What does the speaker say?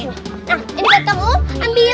nah ini buat kamu ambil